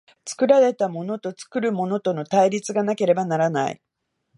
作られたものと作るものとの対立がなければならない。